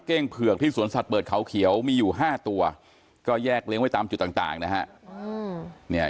เผือกที่สวนสัตว์เปิดเขาเขียวมีอยู่๕ตัวก็แยกเลี้ยงไว้ตามจุดต่างนะฮะ